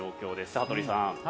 羽鳥さん。